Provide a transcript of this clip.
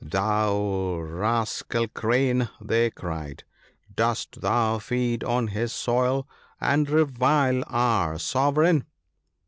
"Thou rascai Crane," they cried, " dost thou feed on his soil, and revile our Sovereign